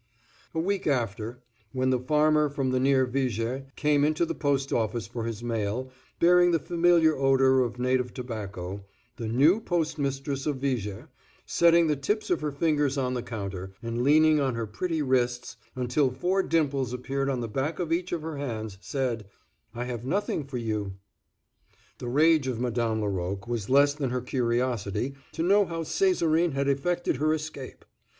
A week after, when the farmer from near Viger came into the post office for his mail, bearing the familiar odor of native tobacco, the new postmistress of Viger, setting the tips of her fingers on the counter, and leaning on her pretty wrists until four dimples appeared on the back of each of her hands, said, "I have nothing for you." The rage of Madame Laroque was less than her curiosity to know how Césarine had effected her escape.